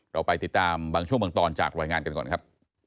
เราไปติดตามบางช่วงบางตอนจากรายงานกันก่อนครับ